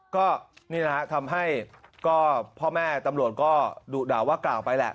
ก็นี่แหละฮะทำให้ก็พ่อแม่ตำรวจก็ดุด่าว่ากล่าวไปแหละ